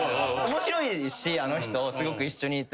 面白いですしあの人すごく一緒にいて。